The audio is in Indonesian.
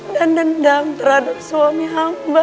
dan dendam terhadap suami hamba